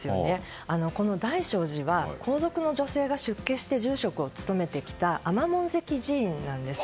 この大聖寺は皇族の女性が出家して住職を務めてきた尼門跡寺院なんです。